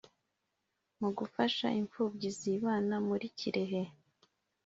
Mu gufasha imfubyi zibana muri Kirehe